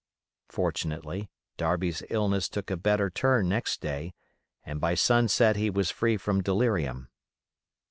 Fortunately, Darby's illness took a better turn next day, and by sunset he was free from delirium.